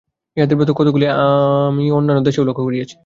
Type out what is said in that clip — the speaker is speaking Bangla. ইহাদের ভিতর কতকগুলি আমি অন্যান্য দেশেও লক্ষ্য করিয়াছি।